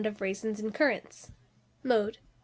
of raisins or currants. Mode.